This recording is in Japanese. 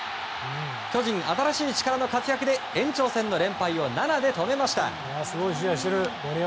巨人、新しい力の活躍で延長戦の連敗を７で止めました。